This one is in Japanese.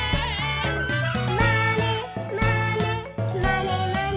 「まねまねまねまね」